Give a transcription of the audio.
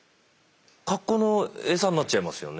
格好の餌になっちゃいますよね？